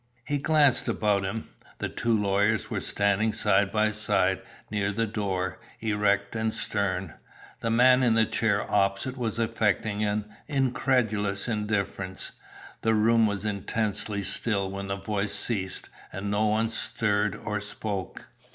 He glanced about him. The two lawyers were standing side by side near the door, erect and stern. The man in the chair opposite was affecting an incredulous indifference. The room was intensely still when the voice ceased and no one stirred or spoke.